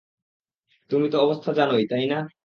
তুমি তো অবস্থা জানোই, তাই না?